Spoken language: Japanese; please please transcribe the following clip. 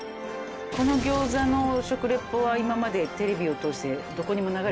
この餃子の食リポは今までテレビを通してどこにも流れ。